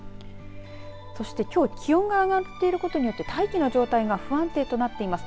そして、きょう気温が上がっていることによって大気の状態が不安定となっています。